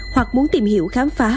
hoặc muốn tìm hiểu khám phá